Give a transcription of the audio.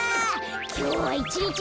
きょうはいちにちじゅう